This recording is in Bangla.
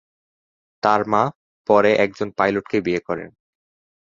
তার মা পরে আরেকজন পাইলটকে বিয়ে করেন।